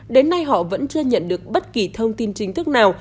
đến nay họ vẫn chưa nhận được bất kỳ thông tin chính thức nào